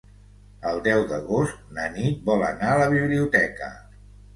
El deu d'agost na Nit vol anar a la biblioteca.